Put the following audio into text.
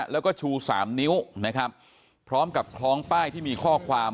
แล้วก็ชูสามนิ้วนะครับพร้อมกับคล้องป้ายที่มีข้อความ